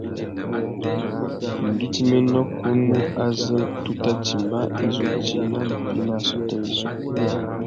Ngüidjiménô kunú azê tu tà timba, i zu djï nà mpí nà assôtô yissú.